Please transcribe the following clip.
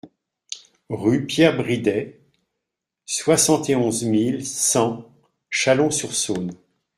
Rue Pierre Bridet, soixante et onze mille cent Chalon-sur-Saône